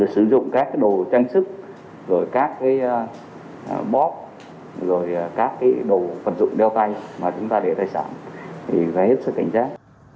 sử dụng các đồ trang sức các bóp rồi các đồ vật dụng đeo tay mà chúng ta để tài sản thì phải hết sức cảnh giác